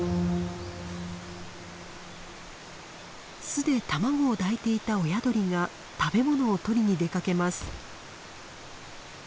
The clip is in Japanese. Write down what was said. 巣で卵を抱いていた親鳥が食べ物をとりに出かけます。